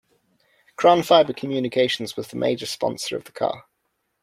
Crown Fiber Communications was the major sponsor of the car.